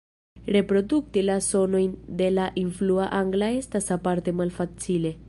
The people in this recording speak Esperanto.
Reprodukti la sonojn de la influa angla estas aparte malfacile.